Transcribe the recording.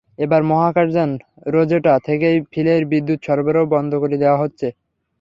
এবার মহাকাশযান রোজেটা থেকেই ফিলের বিদ্যুৎ সরবরাহ বন্ধ করে দেওয়া হচ্ছে।